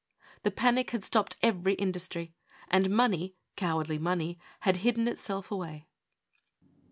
The panic had stopped every industry; and money, cowardly money, had hidden itself away.